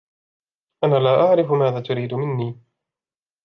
أنا لا أعرف ماذا تريد مني؟